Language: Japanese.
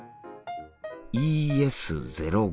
「ＥＳ０５」。